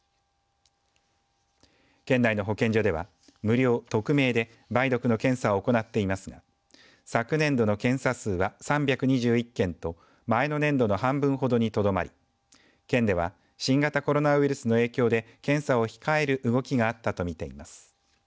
県内の保健所では無料・匿名で梅毒の検査を行っていますが昨年度の検査数は３２１件と前の年度の半分ほどにとどまり県では新型コロナウイルスの影響で検査を控える動きがあったとみています。